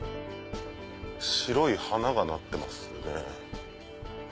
白い花がなってますね。